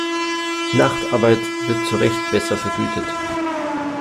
Nachtarbeit wird zurecht besser vergütet.